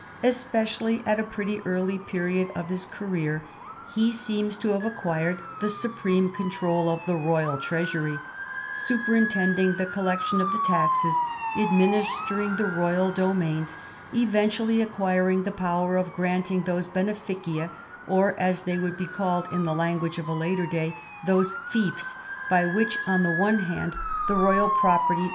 Espe cially, at a pretty early period of his career, he seems to have acquired the supreme control of the royal treasury, superintending the collection of the taxes, administering the royal domains, eventually acquir ing the power of granting those benejicia or (as they would be called in the language of a later day) those fiefs, by which on the one hand the royal property 22 CHARLEMAGNE.